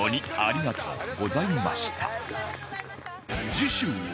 次週は